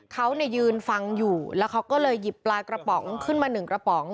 เขาเนี่ยยืนฟังอยู่แล้วเขาก็เลยหยิบปลากระป๋องขึ้นมาหนึ่งกระป๋อง